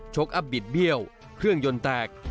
อัพบิดเบี้ยวเครื่องยนต์แตก